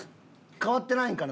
変わってないんかな？